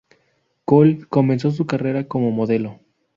Coll comenzó su carrera como modelo.